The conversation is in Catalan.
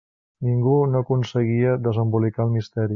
Ningú no aconseguia desembolicar el misteri.